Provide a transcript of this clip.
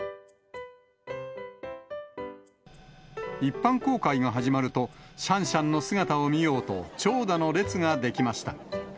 一般公開が始まると、シャンシャンの姿を見ようと、長蛇の列が出来ました。